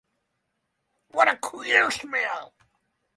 What a queer smell!